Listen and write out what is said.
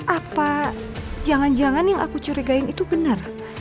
apa jangan jangan yang aku curigain itu benar